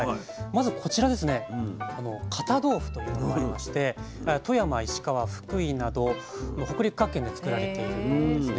まずこちらですね堅豆腐というものがありまして富山石川福井など北陸各県で作られているんですね。